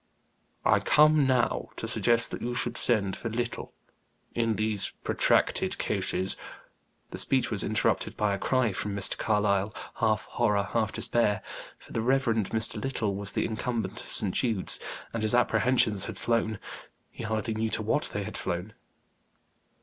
"I come now to suggest that you should send for Little. In these protracted cases " The speech was interrupted by a cry from Mr. Carlyle, half horror, half despair. For the Rev. Mr. Little was the incumbent of St. Jude's, and his apprehensions had flown he hardly knew to what they had flown.